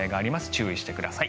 注意してください。